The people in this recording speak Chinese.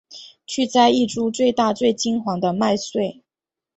去摘一株最大最金黄的麦穗